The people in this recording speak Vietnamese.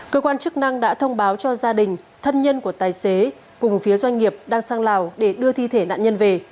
cơ quan chức năng đã thông báo cho gia đình thân nhân của tài xế cùng phía doanh nghiệp đang sang lào để đưa thi thể nạn nhân về